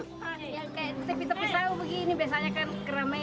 ya kaya di tepi tepi sawah begini biasanya kan keremehan apa